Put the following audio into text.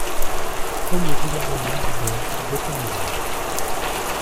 - Premier gouvernement du doge Boccanegra.